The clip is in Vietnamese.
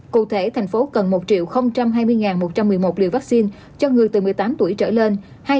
cụ thể thành phố cần một hai mươi một trăm một mươi một liều vaccine cho người từ một mươi tám tuổi trở lên